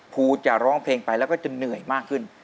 ครูจะร้องเพลงไปแล้วก็จะเหนื่อยมากขึ้น